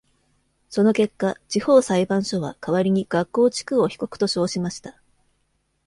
その結果、地方裁判所は代わりに学校地区を被告と称しました。